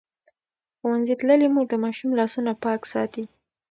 ښوونځې تللې مور د ماشوم لاسونه پاک ساتي.